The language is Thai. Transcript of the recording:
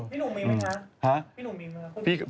พี่หนูมีไหมคะพี่หนูมีไหมคะ